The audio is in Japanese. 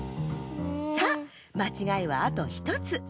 さあまちがいはあと１つ。